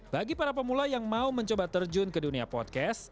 bagi para pemula yang mau mencoba terjun ke dunia podcast